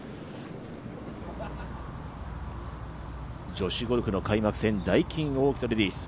女子ゴルフの開幕戦、ダイキンオーキッドレディス。